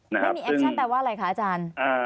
ไม่มีแอคชั่นแปลว่าอะไรคะอาจารย์